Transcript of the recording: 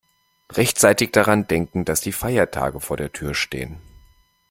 Rechtzeitig daran denken, dass die Feiertage vor der Tür stehen.